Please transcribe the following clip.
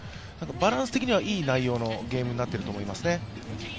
バランス的にはいい内容のゲームになっていると思いますね。